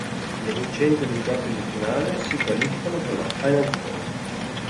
Le vincenti dei quarti di finale si qualificano per la "final four".